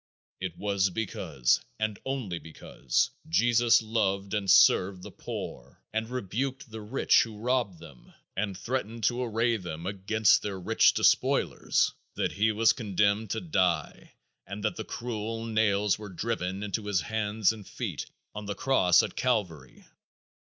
It was because, and only because, Jesus loved and served the poor and rebuked the rich who robbed them, and threatened to array them against their rich despoilers, that he was condemned to die and that the cruel nails were driven into his hands and feet on the cross at Calvary.